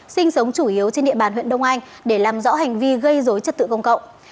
sinh sống chủ yếu trên địa bàn huyện đông anh để làm rõ hành vi gây dối trật tự công cộng